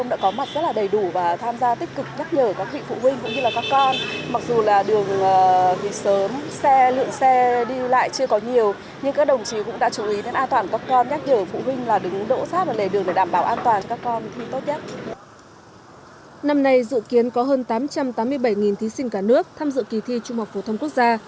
năm nay dự kiến có hơn tám trăm tám mươi bảy thí sinh cả nước tham dự kỳ thi trung học phổ thông quốc gia